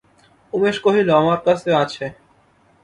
উমেশ কহিল, আমার কাছে আছে।